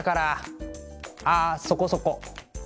あそこそこ。